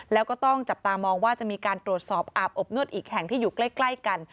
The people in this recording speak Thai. แล้วก็ต้องจับตามองว่าจะมีการตรวจสอบอาบอบนวดอีกแห่งที่อยู่ใกล้กัน